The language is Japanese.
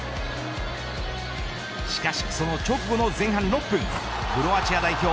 しかしその直後の前半６分クロアチア代表